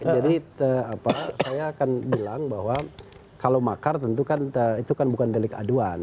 jadi saya akan bilang bahwa kalau makar tentu kan itu bukan delik aduan